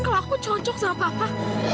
kalau aku cocok sama papa